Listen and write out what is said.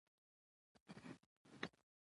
په خپلو ژمنو وفا وکړئ.